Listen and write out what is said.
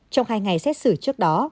trong hai ngày xét xử trước đó